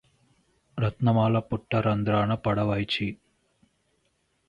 రత్నమాల పుట్ట రంధ్రాన పడవైచి